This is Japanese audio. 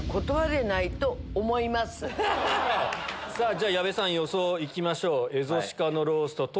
じゃ矢部さん予想いきましょう。